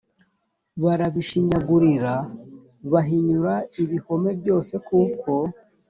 barabishinyagurira bahinyura ibihome byose kuko